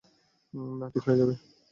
না, ঠিক হয়ে যাবে!